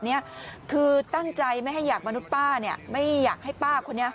นี้คือตั้งใจไม่ให้อยากมนุษย์ป้าเนี่ยไม่อยากให้ป้าคนนี้